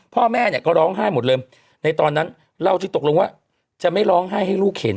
พ่อแม่เนี่ยก็ร้องไห้หมดเลยในตอนนั้นเล่าที่ตกลงว่าจะไม่ร้องไห้ให้ลูกเห็น